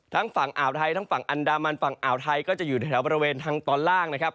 ฝั่งอ่าวไทยทั้งฝั่งอันดามันฝั่งอ่าวไทยก็จะอยู่แถวบริเวณทางตอนล่างนะครับ